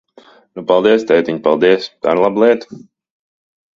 Nu, paldies, tētiņ, paldies! Tā ir laba lieta!